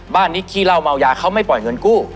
บ้านนี้ขี้เหล้าเมายาเขาไม่ปล่อยเงินกู้